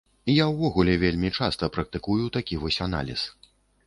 Я ўвогуле вельмі часта практыкую такі вось аналіз.